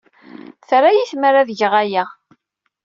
Terra-iyi tmara ad geɣ aya.